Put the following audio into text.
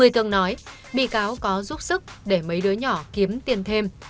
một mươi tương nói bị cáo có giúp sức để mấy đứa nhỏ kiếm tiền thêm